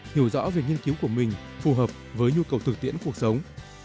hiểu rõ về nghiên cứu của mình phù hợp với nhu cầu thực tiễn cuộc sống